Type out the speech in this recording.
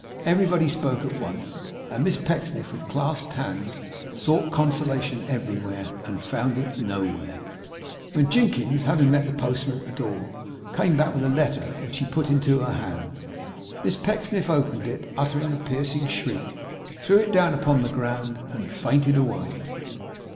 Everybody spoke at once, and Miss Pecksniff, with clasped hands, sought consolation everywhere and found it nowhere, when Jinkins, having met the postman at the door, came back with a letter, which he put into her hand. Miss Pecksniff opened it, uttered a piercing shriek, threw it down upon the ground, and fainted away.